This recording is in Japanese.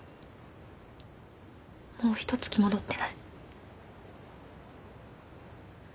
もうひと月戻ってない。